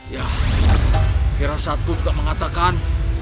ya firasatku juga mengatakan